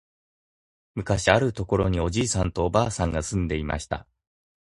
むかしある所におじいさんとおばあさんが住んでいました